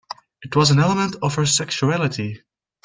It was an element of her sexuality.